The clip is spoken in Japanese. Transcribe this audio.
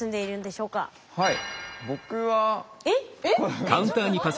はい。